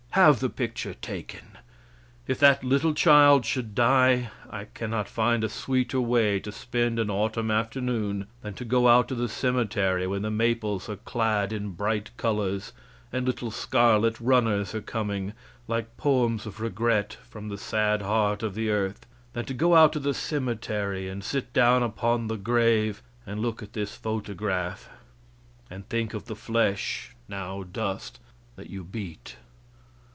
Have the picture taken. If that little child should die, I cannot find a sweeter way to spend an autumn afternoon than to go out to the cemetery, when the maples are clad in bright colors, and little scarlet runners are coming, like poems of regret, from the sad heart of the earth than to go out to the cemetery and sit down upon the grave and look at this photograph, and think of the flesh, now dust, that you beat.